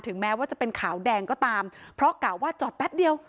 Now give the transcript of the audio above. แม้ว่าจะเป็นขาวแดงก็ตามเพราะกะว่าจอดแป๊บเดียว